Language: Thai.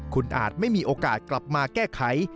คุณอาจไม่มีโอกาสกลับมาแก้ไข